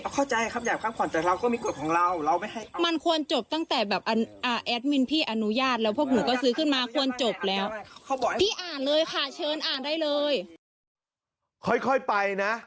เข้าใจครับอยากมาพักผ่อนแต่เราก็มีกฎของเรา